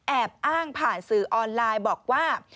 แอบอ้างผ่านสื่อออนไลน์บอกว่า